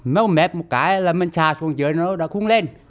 mất mẹp một cái là mình trà xuống dưới nó đã không lên